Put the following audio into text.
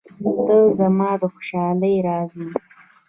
• ته زما د خوشحالۍ راز یې.